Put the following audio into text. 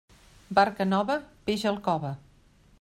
Barca nova, peix al cove.